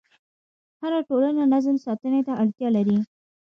هره ټولنه نظم ساتنې ته اړتیا لري.